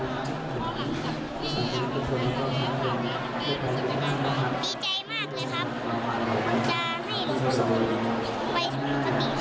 บีใจมากเลยครับมันจะให้หลวงพ่อคูณไปสมมติครับ